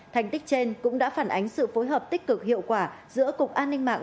thành tích trên cũng đã phản ánh sự phối hợp tích cực hiệu quả giữa cục an ninh mạng